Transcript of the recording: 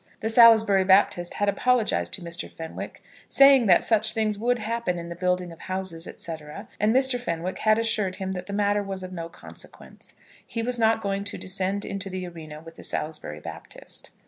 The Salisbury Baptist had apologised to Mr. Fenwick, saying that such things would happen in the building of houses, &c., and Mr. Fenwick had assured him that the matter was of no consequence. He was not going to descend into the arena with the Salisbury Baptist.